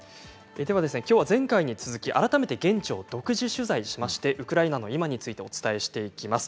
きょうは前回に続き改めて現地を独自取材してウクライナの今についてお伝えしていきます。